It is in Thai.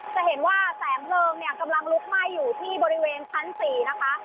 จะเห็นว่าแสงเพลิงเนี่ยกำลังลุกไหม้อยู่ที่บริเวณชั้น๔นะคะ